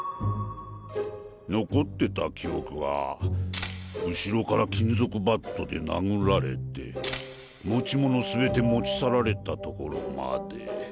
残ってた記憶は後ろから金属バットで殴られて持ち物全て持ち去られたところまで。